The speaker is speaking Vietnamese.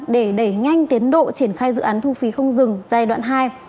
để đẩy nhanh tiến độ triển khai dự án thu phí không dừng giai đoạn hai